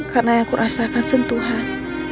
karena aku rasakan sentuhan